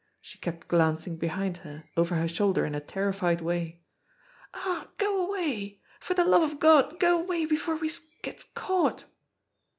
She kept glancing behind her, over her shoulder in a terrified way. "Aw, go away! For the love of Gawd, go away before we'se gets caught!"